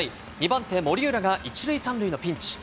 ２番手、森浦が１塁３塁のピンチ。